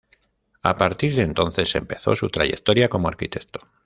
A partir de entonces empezó su trayectoria como arquitecto.